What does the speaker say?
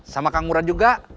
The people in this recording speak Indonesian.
sama kang murad juga